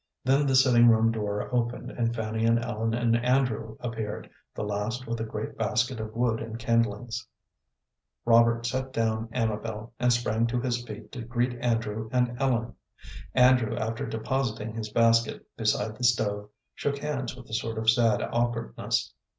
Then the sitting room door opened, and Fanny and Ellen and Andrew appeared, the last with a great basket of wood and kindlings. Robert set down Amabel, and sprang to his feet to greet Andrew and Ellen. Andrew, after depositing his basket beside the stove, shook hands with a sort of sad awkwardness.